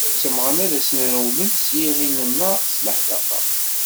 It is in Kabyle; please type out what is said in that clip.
Ttemmɣeɣ ad asen-rewlen s yiɣil neɣ s leḥdaqa.